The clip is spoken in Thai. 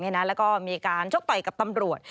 แล้วก็มีการชกต่อยกับตำรวจ